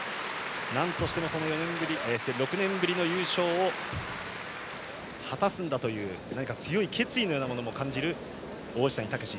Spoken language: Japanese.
なんとしても６年ぶりの優勝を果たすんだという何か強い決意のようなものも感じる王子谷剛志。